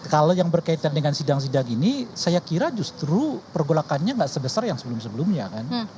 kalau yang berkaitan dengan sidang sidang ini saya kira justru pergolakannya nggak sebesar yang sebelum sebelumnya kan